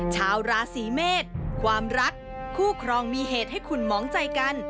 ชาวราศีเมษความรักคู่ครองมีเหตุให้คุณหมองใจกัน